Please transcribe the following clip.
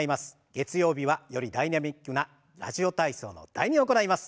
月曜日はよりダイナミックな「ラジオ体操」の「第２」を行います。